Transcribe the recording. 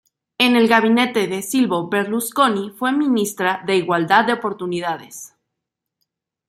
En el gabinete de Silvio Berlusconi fue ministra de Igualdad de Oportunidades.